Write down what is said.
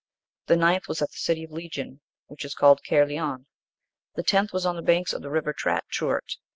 (7) The ninth was at the City of Legion,(8) which is called Cair Lion. The tenth was on the banks of the river Trat Treuroit.